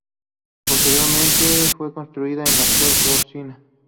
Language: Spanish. Posteriormente, fue construida la actual cocina.